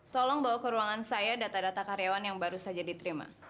tolong bawa ke ruangan saya data data karyawan yang baru saja diterima